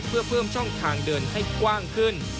เพื่อเพิ่มช่องทางเดินให้กว้างขึ้น